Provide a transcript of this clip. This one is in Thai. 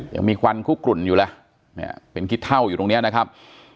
ยังมีควันคู่กลุ่นอยู่แหละเป็นคิดเท่าอยู่ตรงนี้นะครับ